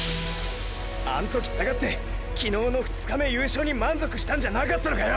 あん時下がって昨日の２日目優勝に満足したんじゃなかったのかよ！！